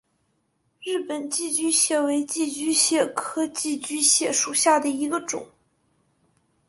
日本寄居蟹为寄居蟹科寄居蟹属下的一个种。